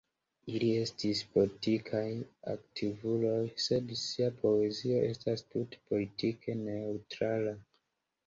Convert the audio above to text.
Ili estis politikaj aktivuloj, sed sia poezio estas tute politike neŭtrala.